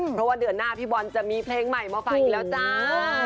เพราะว่าเดือนหน้าพี่บอลจะมีเพลงใหม่มาฝากอีกแล้วจ้า